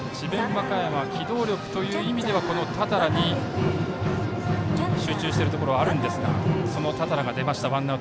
和歌山機動力という意味ではこの多田羅に集中しているところあるんですがその多田羅が出ました。